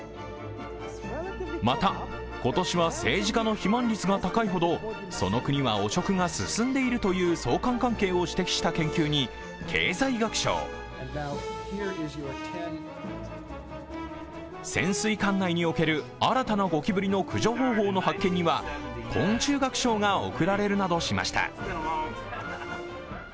また今年は、政治家の肥満率が高いほどその国は汚職が進んでいるという相関関係を指摘した研究に経済学賞、潜水艦内における新たなゴキブリの駆除方法の発見には昆虫学賞が贈られるなどしました。